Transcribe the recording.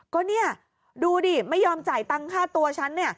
ก็นี่ดูดิไม่ยอมจ่ายตังค์ธุ์ตัวฉัน